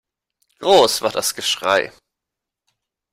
Groß war das Geschrei.